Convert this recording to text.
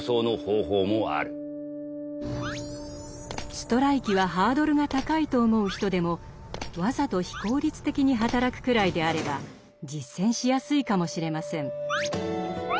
ストライキはハードルが高いと思う人でもわざと非効率的に働くくらいであれば実践しやすいかもしれません。